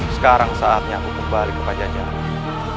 sekarang saatnya aku kembali ke pajak jalan